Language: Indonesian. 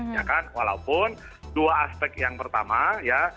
ya kan walaupun dua aspek yang pertama ya